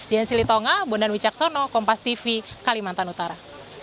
dian syili tonga bunda nwi caksono kompastv kalimantan utara